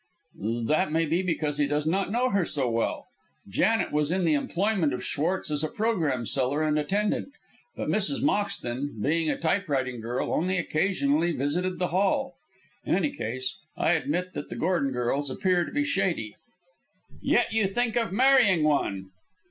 "That may be because he does not know her so well. Janet was in the employment of Schwartz as a programme seller and attendant, but Mrs. Moxton, being a typewriting girl, only occasionally visited the hall. In any case I admit that the Gordon girls appear to be shady." "Yet you think of marrying one."